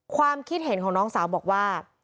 ความคิดเห็นของน้องสาวบอกว่า